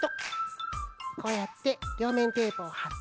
こうやってりょうめんテープをはって。